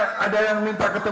kembali dalam kelewatan